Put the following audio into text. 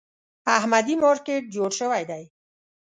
احمدي مارکېټ جوړ شوی دی.